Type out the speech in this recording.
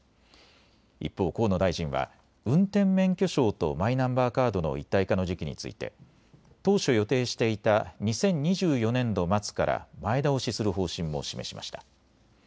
一方、河野大臣は運転免許証とマイナンバーカードの一体化の時期について当初予定していた２０２４年度末から前倒しする方針も示しました。